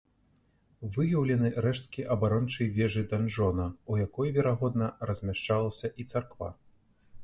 Выяўлены рэшткі абарончай вежы-данжона, у якой, верагодна, размяшчалася і царква.